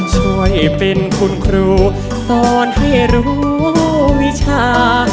ช่วยเป็นคุณครูสอนให้รู้วิชา